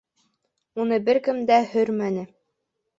— Уны бер кем дә һөрмәне.